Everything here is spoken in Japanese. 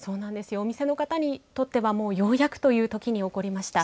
お店の方にとってはようやくというときに起こりました。